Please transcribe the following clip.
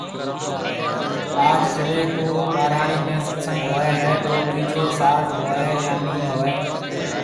آج جڏي ڪو ٻھراڙي ۾ ست سنگ ھوئي ھيَََ تو ٻيجو ساز ھوئي يا ني ھوئي